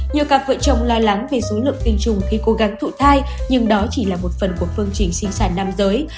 nhiều cặp vợ chồng lo lắng về số lượng tinh trùng khi cố gắng thụ thai nhưng đó chỉ là một phần của phương trình sinh sản nam giới